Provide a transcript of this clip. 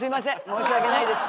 申し訳ないです。